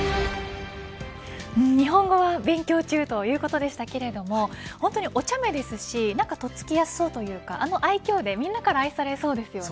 日本語は勉強中ということでしたけども本当におちゃめですし、何か取っつきやすそうとかあの愛嬌でみんなから愛されそうですよね。